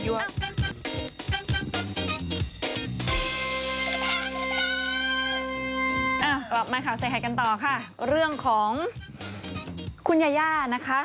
เมื่อรับข่าวเศรษฐกันต่อค่ะเพื่อนของคุณยาย่านะคะ